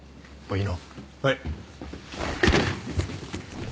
はい。